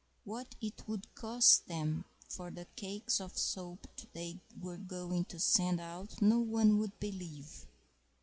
What it would cost them for the cakes of soap they were going to send out no one would believe!